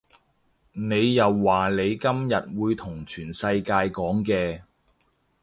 你又話你今日會同全世界講嘅